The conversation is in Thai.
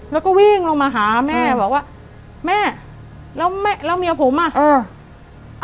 แล้วก็วิ่งลงมาหาแม่บอกว่าแม่แล้วแม่แล้วเมียผมอ่ะอ่า